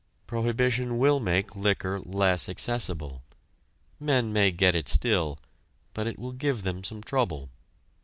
Prohibition will make liquor less accessible. Men may get it still, but it will give them some trouble.